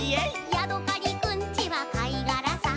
「ヤドカリくんちはかいがらさ」